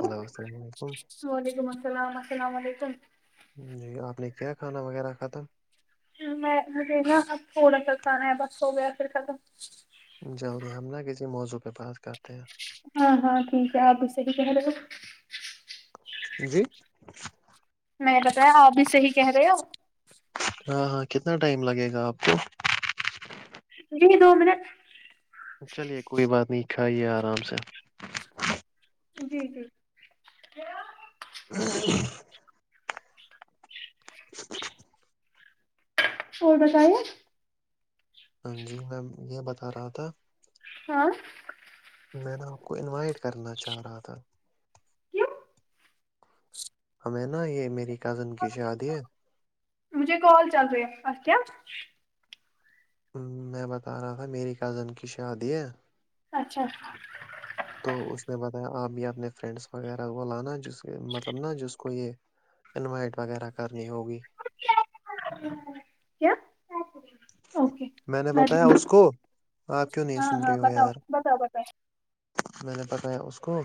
Hello السلام علیکم وعلیکم السلام السلام علیکم جی آپ نے کیا کھانا وغیرہ رکھا تھا میں مجھے نا اب تھوڑا سا کھانا ہے بس ہو گیا پھر ختم جلدی ہم نا کسی موضوع پہ بات کرتے ہیں ہاں ہاں ٹھیک ہے آپ صحیح کہہ رہے ہو جی میں بتایا آپ بھی صحیح کہہ رہے ہو ہاں ہاں کتنا ٹائم لگے گا آپ کو جی دو منٹ چلیے کوئی بات نہیں کھائیے آرام سے جی جی نیہا [inaudible] اور بتائیے جی میم یہ بتا رہا تھا ہاں میں نےا آپ کو انوائٹ کرنا چاہ رہا تھا کیوں ہمیں نا یہ میری کزن کی شادی ہے مجھے کال چل رہی ہے اچھ کیا میں بتا رہا تھا میری کزن کی شادی ہے اچھا تو اس نے بتایا آپ اپنے فرینڈس وغیرہ کو لانا جس مطلب نا جس کو یہ انوائٹ وغیرہ کرنی ہوگی کیا اوکے میں نے بتایا اس کو آپ کیوں نہیں ہاں سن ہاں رہی ہو بتاؤ یار بتاؤ بتاؤ میں نے بتایا اس کو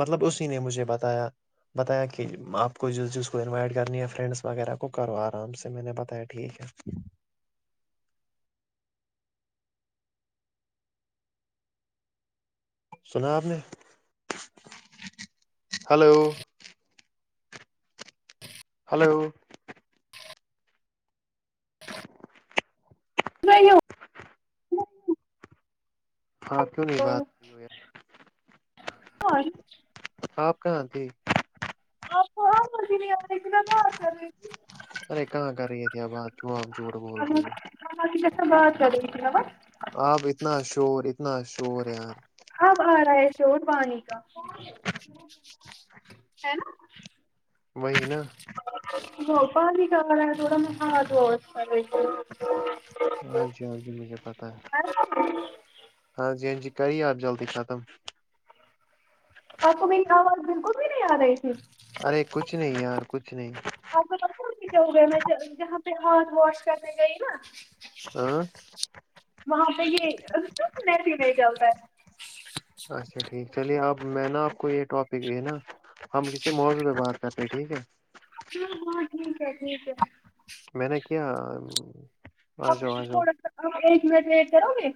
مطلب اسی نے مجھے بتایا بتایا کہ آپ کو جس جس کو انوائٹ کرنی ہےیا فرینڈس وغیرہ کو کرو آرام سے میں نے بتایا ٹھیک ہے ج [inaudible] سنا آپ نے ہلو ہلو [inaudible] ہو ہاں کیوں نہیں بات ہو آپ کہاںتی [unintelligible] آپ آ متی نہیں آ رہی تھی میں کر رہی تھی ارے کہاں کر رہی ہے ت آبات آام چوٹ بول رہی ہو بعد چلا [unintelligible] آپ اتنا شور اتنا شور یار اب آ رہا ہے چوٹ پانی کا ہے نا وہی نا [unintelligible] ہ پ ہی کالا تھوڑا م ہاتھ واؤ کر تھی ہاں جی ہاں جی مجھے پتا ہے آ [inaudible] ہاں جی ہاں جی کریے آپ جلدی ختم آپو میری آواز بالکل بھی نہیں آ رہی تھی ارے کچھ نہیں یار کچھ نہیں آپ کو پتا کہ گئے میں جہاں پہ ہاتھ واش کرنے گئی نا ہاں وہاں پہ یہ سنے س نہیں جاتا ہے اچھا ٹھیک چلیے اب میں نا آپ کو یہ ٹاپک ہے نا ہم کسی موضوع پہ بات کرتے ٹھیک ہے ہاں ہاں ٹھیک ہے ٹھیک ہے میں نے کیا ا تھوڑا سا آپ ایک منٹ ویٹ کرو گے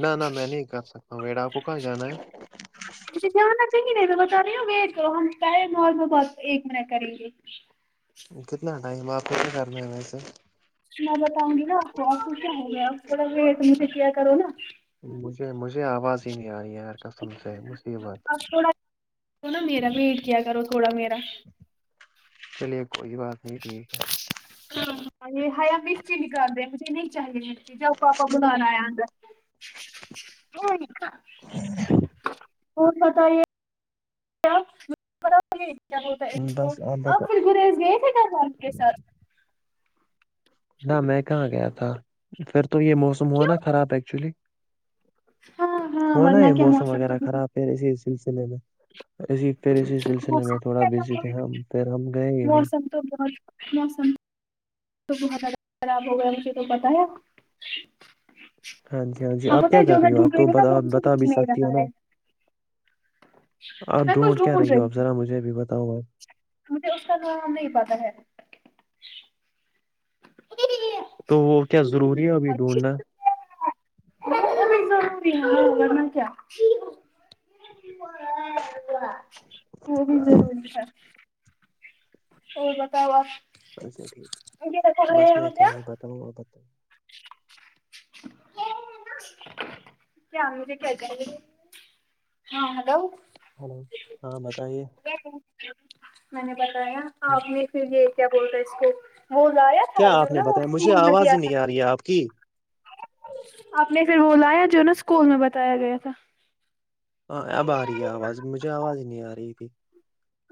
نہ نہ میں نہیں کر سکتا ہوں میڈا آپ کو کہاں جانا ہے مے جان دیں گے نہیں تو بت رہ ہو تو ہم م میں بہ ایک منٹ کریں گے کتنا ٹائم آپ کیسے کرنا ہے ویسے میں بتاؤں گی نا آپ کو اور ک کیا ہو گگ مجھے کیا کرو نا مجھے مجھے آواز ہی نہیں آ رہی ہے ہ کسم سے مھ یہ بات ہو نا میرا بھیٹ کیا کرو تھوڑا میرا چلیے کوئی بات نہیں ٹھیک ہے [unintelligible] ہ میں اس چیز کر رہ مجھے نہیں چاہیے چیزیںپ آپا بلاایاا [unintelligible] ہ اور بتائیے ہوتا ہے کو بس آپ بتا پھر گریز گئے تھے کان کے ساتھ نہ میں کہاں گیا تھا پھر تو یہ موسم ہوا کیوں نا خراب ایکچولی ہاں ہاں ہونا یہ ورنہ کیا موسم تو وغیرہ بہت خراب ہے اسی سلسلے میں ایی پھر اسی سلسلے میں تھوڑا موسم بزی تھے ہم پھر ہم گئے ہی نہیں موسم تو بہت موسم تو بتد خراب ہو گیا مجھے تو پتہ ہے ہاں جی ہاں جی آپ کیا کر جو میں رہی ہو آپ ڈھونڈ تو ہوں نا وہ مجھے بتا بھی مل نہیں سکتی رہا ہو نا ہے اپ میں کچھ ڈھونڈ کیا رہی ہو آپ تھی ذرا مجھے اب بتاؤ آپ مجھے اس کا نام نہیں پتا ہے تو وہ کیا ضروری ہے ابھی ڈھونڈھنا ضرور میں کیا وہ بھی ضرور ہے ہو بتاوا اچھا ٹھیک مجھے بتا بس رہے میں کیا ہی بتاؤں اور بت [inaudible] کیا کیااہ ہاں ہیلو ہلو ہاں بتائیے میں نے بتایا آپ نے پھر یہ کیا بولتا اس کو وہ لایا کیا تھا جو آپ نے نا وہ بتایا مجھے اسکول میں آواز دیا ہی تھا نہیں آ رہی ہے آپ کی آپ نے پھر بلایا جو نا اسکول میں بتایا گیا تھا ہاں اب آ رہی ہے آواز مجھے آواز نہیں آ رہی تھی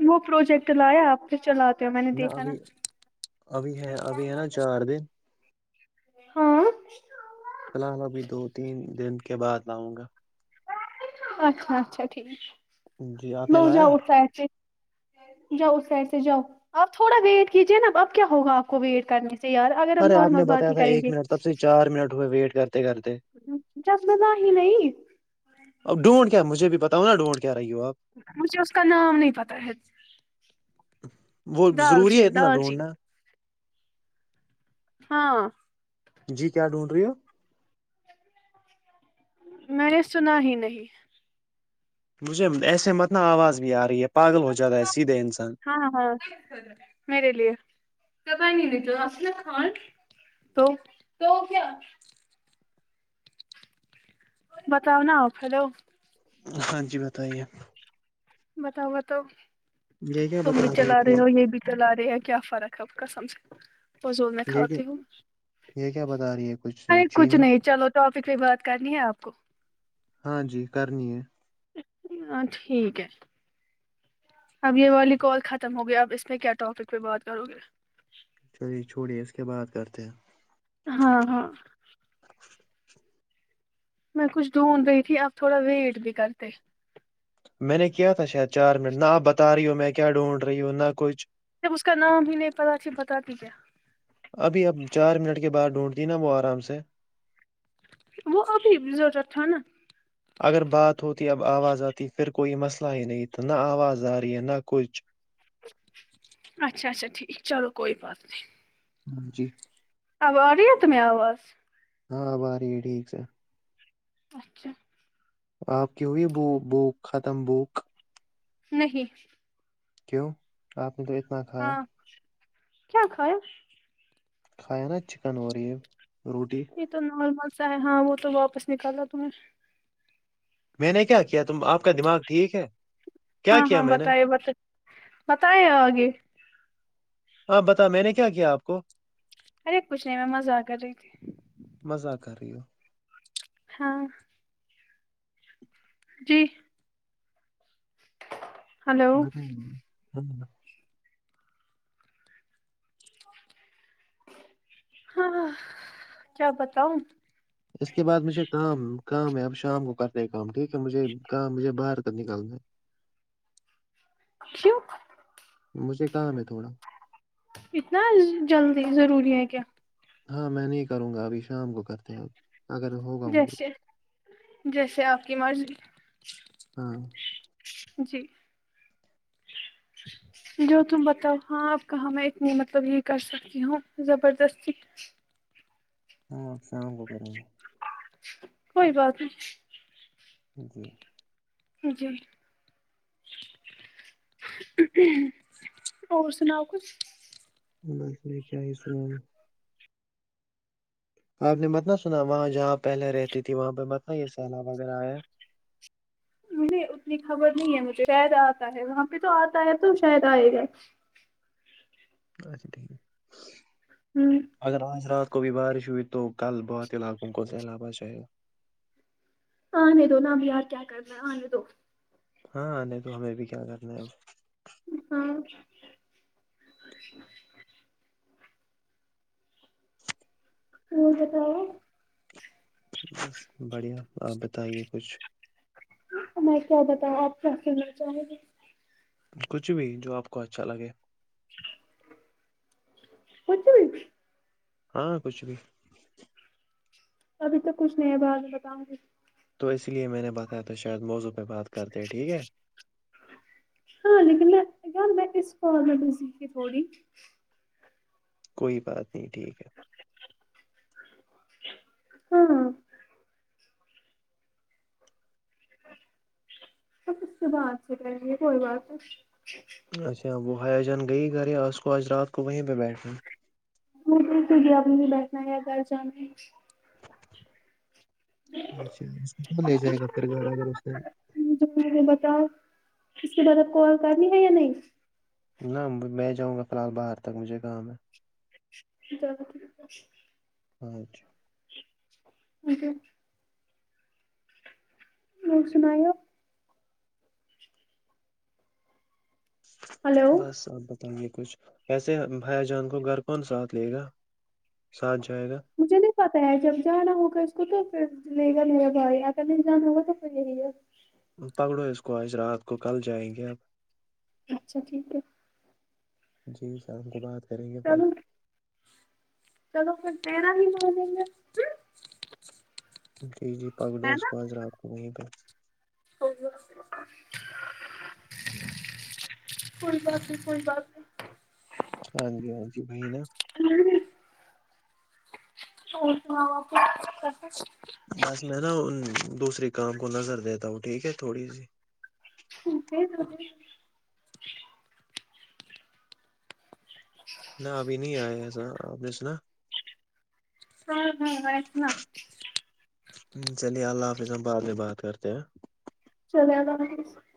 وہ پروجیکٹ لایا آپ چلاتے ہو میں نے نہ دیکھا نا ابھی ابھی ہے ابھی ہے نا چار دن ہاں فی الحال ابھی دو تین دن کے بعد لاؤں گا اچھا اچھا ٹھیک جی آپ نے بہ لایا جاؤٹتاا جا اس سائڈ سے جاؤ آپ تھوڑا ویٹ کیجیے نا اب کیا ہوگا آپ کو ویٹ کرنے سے یارا ارے آپ نے بتایا تھا ایک منٹ تب سے چار منٹ ہوئے ویٹ کرتے کرتے کیا سنا ہے نہیں اب ڈونڈ کیا مجے بھی پتاؤ ہو نا ڈونڈ کیا رہی ہو آپ مجھے اس کا نام نہیں پتا ہے وہ دال ضروری ہے چین اتنا دال چین ڈھونڈنا ہاں جی کیا ڈھونڈ رہی ہو میں نے سنا ہی نہیں مجھے ایسے متنا آواز بھی آ رہی ہے پاگل ہو جات رہا ہے سیدھے انسان ہاں ہاں میرے لی تو کو نہیں ن تو ا ن کن تو تو کیا بتاؤ نا آ ہلو ہاں جی بتائیے بتاؤا تو یہ کیا تم بتا بھی رہی چلا تھی رہے ہو یہ بھی چلا رہی ہے کیا فرق ہے آ کا سمجھ وضول میں یہ کیا کھاتی ہوں یہ کیا بتا رہی ہے ارے کچھ چینی نہیں چلو تو آفک بھی بات کرنی ہے آپ کو ہاں جی کرنی ہے ہاں ٹھیک ہے اب یہ والی کال ختم ہوگیا اب اس میں کیا ٹاپک پہ بات کرو گے چلیے چھوڑیے اس کے بعد کرتے ہیں ہاں ہاں میں کچھ ڈھونڈ رہی تھی آپ تھوڑا ویٹ بھی کرتے میں نے کیا تھا شاید چار منٹ نہ آ بتا رہی ہوں میں کیا ڈھونڈ رہی ہوں نہ کچھ جب اس کا نام ہی نہیں پتا اچھا بتا دی کیا ابھی اب چار منٹ کے بعد ڈھونڈتی نا وہ آرام سے وہ ابھی بھی ضرورت تھا نا اگر بات ہوتی اب آواز آتی پھر کوئی مسئلہ ہی نہیں تو نہ آواز آ رہی ہے نہ کچھ اچھا اچھا ٹھیک چلو کوئی بات نہیں جی آب آ رہ تو میں آواز ہاں باری ٹھیک سے اچھا آپ کی ہو ہے ب بک ختم بک نہیں کیوں آپ نے تو اتنا کھایا ہاں کیا کیا کھایا نا چکن اوری روٹی تو نارمل سا ہے ہاں وہ تو واپس نکالا تم نے میں نے کیا کیا تم آپ کا دماغ ٹھیک ہے کیا ہاں کیا ہاں میں نے بتائی بت بتے آگے آپ بتا میں نے کیا کیا آپ کو ارے کچھ نہیں میں مزہ کر رہی تھی مذااک رہیو ہاں جی ب ہلو ہ [unintelligible] ہاں کیا بتاؤں اس کے بعد مجھے کام کام ہے اب شام کو کر رہ کام ٹھیک ہے مجھے کام مجھے باہر کر نکالنا ہے کیو مجھے کام ہے تھوڑا اتنا جلدی ضروری ہے کیا ہاں میں نہیں کروں گا ابھی شام کو کرتے ہو اب اگر ہو جیسے جیسے آپ کی مرضلی ہاں جی جو تم بتاؤ ہاں آپ کہاں میں اتنی مطلب یہ کر سکتی ہوں زبردستی ہاں شام کو کریں گے کوئی باتات جی جی اور سناؤ کچھ م اس میں کیا ہی سناؤ آپ نے مت ن سنا وہاں جہاں پہلے رہتی تھی وہاں پہ مت یہ سہلاب وغیرہ آیا نہیں اتنی خبر نہیں ہے مجھے شاید آتا ہے وہاں پہ تو آتا ہے تو شاید آئے گا اچھا ٹھیک ہے ہوں اگر آج رات کو بھی بارش ہوئی تو کل بااتی علاقوں کو علا پہ چاہیے آنے دو نا اب یار کیا کرنا ہے آنے دو ہاں نہیں تو ہمیں بھی کیا کرنا ہے وہ ہاں [unintelligible] [unintelligible] بس بڑھیا آپ بتائیے کچھ میں کیا بتاؤں آپ کیا کہنا چاہیں گی کچھ بھی جو آپ کو اچھا لگے کچھ بھی ہاں کچھ بھی ابھی توک کچھ نہیں ہے بعد میں بتاؤں گی تو اس لیے میں نے بتایا تو شاید موضوع پہ بات کر [unintelligible] ہاں لیکن میں کیا میں اس کار مت سیکھوں گی تھوڑی کوئی بات نہیں ٹھیک ہے [unintelligible] [unintelligible] بات سے کر گے کوئی بات اچھا وہ حیا جان گئی گھر ہے آج کو آج رات کو وہیں پہ بیٹھنا وہ تو گیا مجھے بیٹھنا ہے یا گھر جانا ہے اچھا اس کو کون لے جائے گا پھر گھر اگر اس نے جو میں نے بتاؤ اس کے بعد دوبارہ کال کرنی ہے یا نہیں نہ میں جاؤں گا فی الحال باہر تک مجھے کام ہے [unintelligible] [unintelligible] [unintelligible] اور سناؤ ہلو بس آب بس یہ کچھ ویسے حیا جان کو گھر کون ساتھ لے گا ساتھ جائے گا مجھے نہیں پتا ہے جب جانا ہوگا اس کو تو پھر لے گا میرا بھائی اگر نہیں جانا ہوگا تو پھر یہی ہے پکڑو اس کو آج رات کو کل جائیں گی آب اچھا ٹھیک ہے جی شام کو بات کریں گے پھر چلو چلو پھر [unintelligible] جی جی پگڑو ہے نا اس رات کو وہیں پہ [unintelligible] [inaudible] [unintelligible] کوئی بات نہیں کوئی بات ہاں جی ہاں جی وہی نا نہیں۔ اور سناؤ [unintelligible] بس میں نا دوسرے کام کو نظر دیتا ہوں ٹھیک ہے تھوڑی سی ٹھیک ہے تو [unintelligible] نہ ابھی نہیں آیے ہے ایسا آپ نے سنا [unintelligible] چلیے اللہ حافظ آباد میں بات کرتے ہیں [unintelligible]